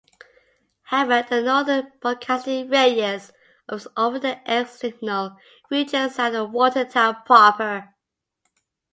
However, the northern broadcasting radius of its over-the-air signal reaches south of Watertown proper.